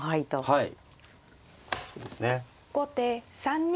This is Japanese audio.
はい。